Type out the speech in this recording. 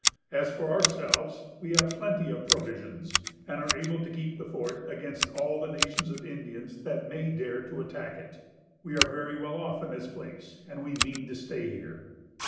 As for ourselves, we have plenty of provisions, and are able to keep the fort against all the nations of Indians that may dare to attack it. We are very well off in this place, and we mean to stay here.